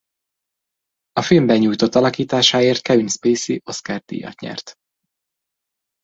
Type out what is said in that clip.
A filmben nyújtott alakításáért Kevin Spacey Oscar-díjat nyert.